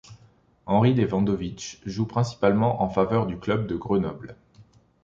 Henri Lewandowicz joue principalement en faveur du club de Grenoble.